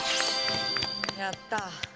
やった。